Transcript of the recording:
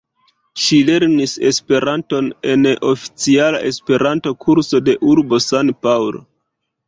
Ŝi lernis Esperanton en oficiala Esperanto-Kurso de urbo San-Paŭlo.